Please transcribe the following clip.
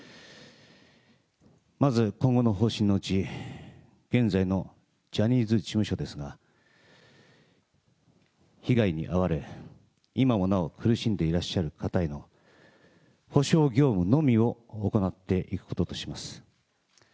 まず今後の方針のうち、現在のジャニーズ事務所ですが、被害に遭われ、今もなお苦しんでいらっしゃる方への補償業務のみを行っていくこととします。